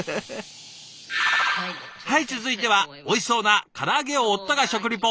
はい続いてはおいしそうなから揚げを夫が食リポ。